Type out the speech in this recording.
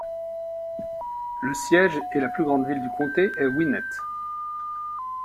Le siège et la plus grande ville du comté est Winnett.